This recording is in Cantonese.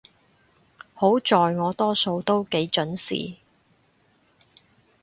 好在我多數都幾準時